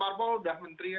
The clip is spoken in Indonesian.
parpol udah menteri ya